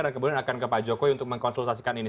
dan kemudian akan ke pak jokowi untuk mengkonsultasikan ini